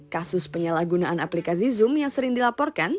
kasus penyalahgunaan aplikasi zoom yang sering dilaporkan